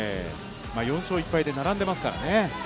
４勝１敗で並んでますからね。